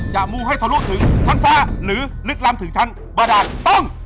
อย่ามูให้ทะลุถึงท่านฟ้าหรือลึกลำถึงท่านบระดาษต้อง